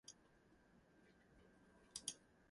She is also head of the Department.